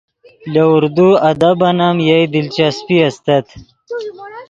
لے اردو ادبن ام یئے دلچسپی استت